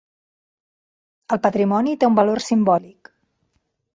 El patrimoni té un valor simbòlic.